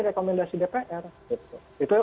rekomendasi dpr itu